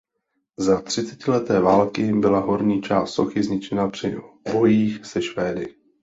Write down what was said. Za třicetileté války byla horní část sochy zničena při bojích se Švédy.